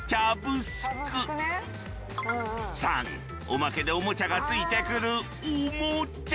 ３おまけでおもちゃが付いてくるおも茶。